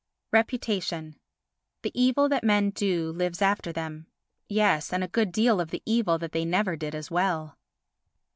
Reputation The evil that men do lives after them. Yes, and a good deal of the evil that they never did as well.